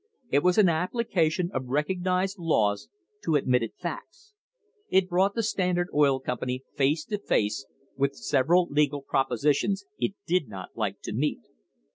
It was an application of recognised laws to admitted facts. It brought the Standard Oil Company face to face with several legal propositions it did not like to meet.